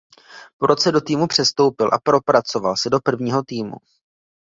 Po roce do týmu přestoupil a propracoval se do prvního týmu.